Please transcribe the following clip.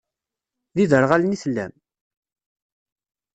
D iderɣalen i tellam?